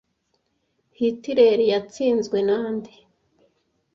hitiler yatsinzwe na nde